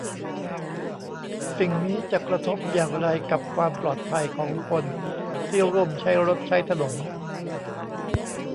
สิ่งนี้จะกระทบอย่างไรกับความปลอดภัยของคนที่ร่วมใช้รถใช้ถนน